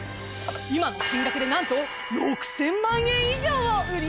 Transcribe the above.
今の金額でなんと６，０００万円以上を売り上げました。